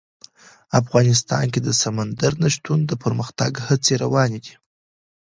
افغانستان کې د سمندر نه شتون د پرمختګ هڅې روانې دي.